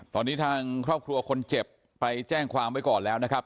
ตอนนี้ทางครอบครัวคนเจ็บไปแจ้งความไว้ก่อนแล้วนะครับ